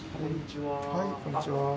はいこんにちは。